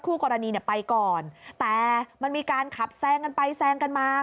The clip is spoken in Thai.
คู่กรณีเนี่ยไปก่อนแต่มันมีการขับแซงกันไปแซงกันมา